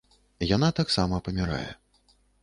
Яна таксама памiрае...